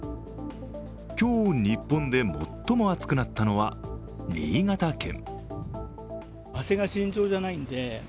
今日、日本で最も暑くなったのは新潟県。